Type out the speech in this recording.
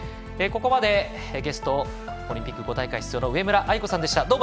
ここまでゲストオリンピック５大会出場の上村愛子さんでした。